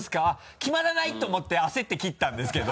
キマらない！と思って焦って切ったんですけど。